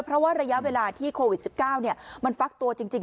เพราะว่าระยะเวลาที่โควิด๑๙มันฟักตัวจริง